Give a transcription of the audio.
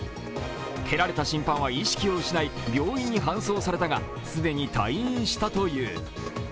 蹴られた審判は意識を失い、病院に搬送されたが既に退院したという。